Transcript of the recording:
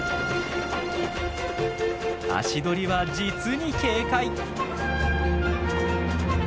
足取りは実に軽快！